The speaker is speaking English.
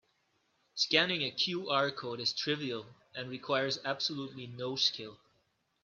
Scanning a QR code is trivial and requires absolutely no skill.